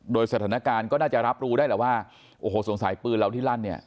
โดยสถานการณ์ก็น่าจะรับรู้ได้แหละว่าโอ้โหสงสัยปืนเราที่ลั่นเนี่ย